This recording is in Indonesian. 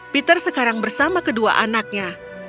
peter sekarang bersama kedua anaknya